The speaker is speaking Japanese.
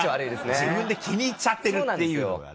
自分で気に入っちゃってるっていうのが。